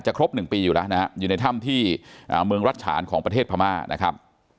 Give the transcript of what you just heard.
ครบ๑ปีอยู่แล้วนะฮะอยู่ในถ้ำที่เมืองรัชฉานของประเทศพม่านะครับ